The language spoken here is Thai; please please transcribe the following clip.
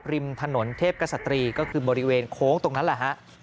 ริมถนนเทพกษตรีก็คือบริเวณโค้งตรงนั้นแหละฮะ